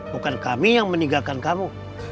bukan kami yang meninggalkan kamu